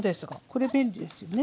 これ便利ですよね。